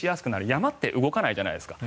山って動かないじゃないですか。